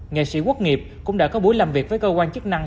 nghệ sĩ quốc nghiệp cũng đã có buổi làm việc với cơ quan chức năng